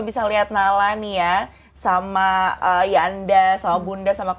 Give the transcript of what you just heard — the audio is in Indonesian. ini dia indra brasko